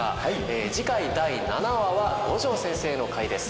ええ次回第７話は五条先生の回です。